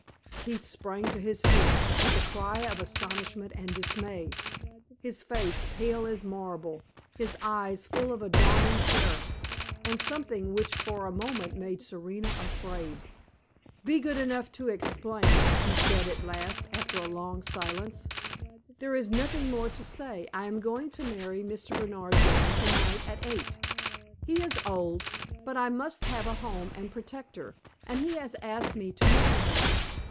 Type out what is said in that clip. Keith sprang to his feet, with a cry of astonishment and dismay, his face pale as marble, his eyes full of a dawning terror, and something which for a moment made Serena afraid. "Be good enough to explain," he said, at last, after a long silence. "There is nothing more to say. I am going to marry Mr. Bernard Dane tonight at eight. He is old, but I must have a home and protector, and he has asked me to marry him.